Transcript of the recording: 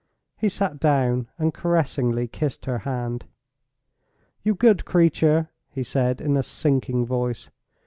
He sat down and caressingly kissed her hand. "You good creature!" he said, in a sinking voice.